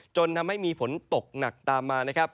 จนทำให้มีฝนตกหนักตามมานะครับ